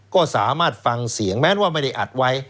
ก็สามารถฟังเสียงแม้ว่าไม่ได้อัดไว้